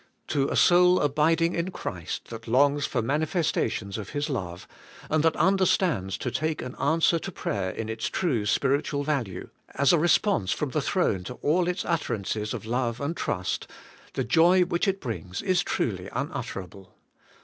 To a soul abiding in Christ, that longs for manifesta tions of His love, and that understands to take an answer to prayer in its true spiritual value, as a re sponse from the throne to all its utterances of love and trust, the joy which it brings is truly unutter able.